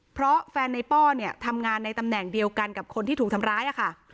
เพราะแฟนในป้อเนี่ยทำงานในตำแหน่งเดียวกันกับคนที่ถูกทำร้ายค่ะ